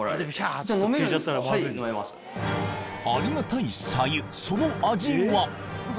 ありがたい白湯その味は？